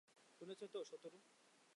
শুনছো তো, সাতোরু?